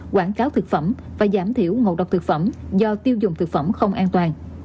quảng cáo thực phẩm và giảm thiểu ngộ độc thực phẩm do tiêu dùng thực phẩm không an toàn